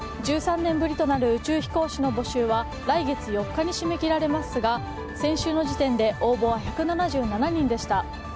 １３年ぶりとなる宇宙飛行士の募集は来月４日に締め切られますが先週の時点で応募は１７７人でした。